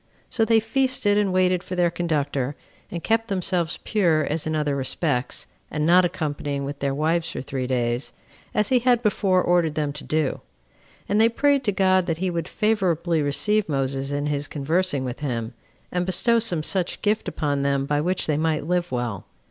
So they feasted and waited for their conductor, and kept themselves pure as in other respects, and not accompanying with their wives for three days, as he had before ordered them to do. And they prayed to God that he would favorably receive Moses in his conversing with him, and bestow some such gift upon them by which they might live well.